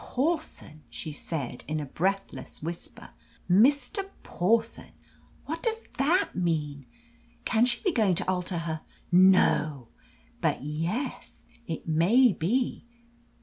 Pawson!" she said, in a breathless whisper. "Mr. Pawson what does that mean? Can she be going to alter her no! But yes, it may be!